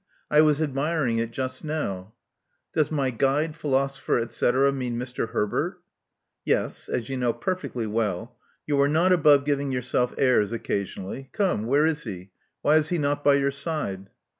I was admiring it just now." '*Does my guide, philosopher, et cetera, mean Mr. Herbert?" Yes, as you know perfectly well. You are not above giving yourself airs occasionally. Come, where is he? Why is he not by your side?"